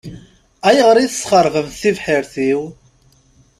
Ayɣer i tesxeṛbemt tibḥirt-iw?